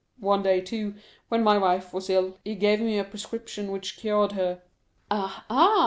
One day, too, when my wife was ill, he gave me a prescription which cured her." "Ah, ah!"